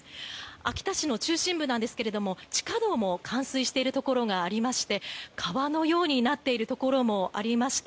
秋田市の中心部なんですが地下道も冠水しているところがありまして川のようになっているところもありました。